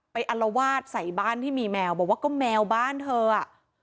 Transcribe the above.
อัลวาดใส่บ้านที่มีแมวบอกว่าก็แมวบ้านเธออ่ะ